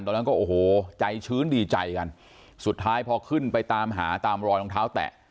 ตอนนั้นก็โอ้โหใจชื้นดีใจกันสุดท้ายพอขึ้นไปตามหาตามรอยรองเท้าแตะ